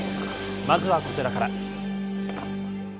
まずはこちらから。